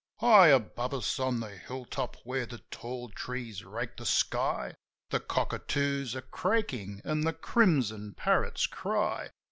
High above us, on the hill top, where the tall trees rake the sky, The cockatoos are craaking and the crimson parrots cry.